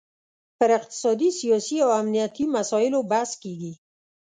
پر اقتصادي، سیاسي او امنیتي مسایلو بحث کیږي